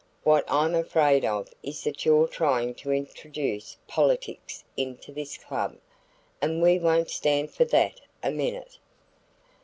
"What I'm afraid of is that you're trying to introduce politics into this club, and we won't stand for that a minute."